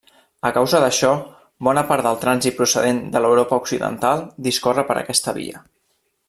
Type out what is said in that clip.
A causa d'això, bona part del trànsit procedent de l'Europa occidental discorre per aquesta via.